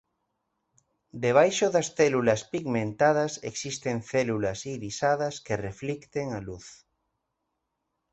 Debaixo das células pigmentadas existen células irisadas que reflicten a luz.